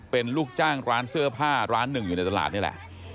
เป็นลูกจ้างร้านเสื้อผ้าร้านหนึ่งอยู่ในตลาดนี่แหละ